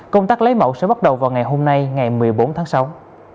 công tác lấy mẫu sẽ bắt đầu vào ngày hôm nay ngày một mươi bốn tháng sáu